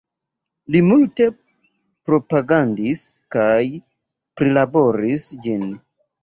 Li multe propagandis kaj prilaboris ĝin.